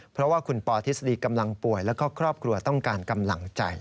เพราะว่าคุณปอทฤษฎีกำลังป่วยแล้วก็ครอบครัวต้องการกำลังใจ